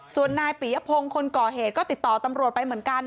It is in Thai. ส่วนนายปียพงศ์คนก่อเหตุก็ติดต่อตำรวจไปเหมือนกัน